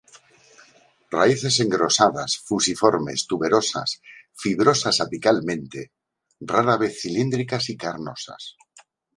Raíces engrosadas, fusiformes, tuberosas, fibrosas apicalmente, rara vez cilíndricas y carnosas.